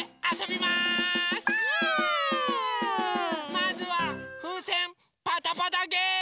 まずはふうせんパタパタゲーム！